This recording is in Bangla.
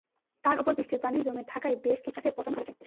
তার ওপর বৃষ্টির পানি জমে থাকায় বেশ কিছু ধানগাছে পচন ধরেছে।